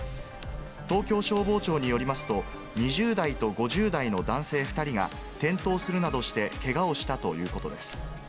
東京消防庁によりますと、２０代と５０代の男性２人が転倒するなどしてけがをしたということです。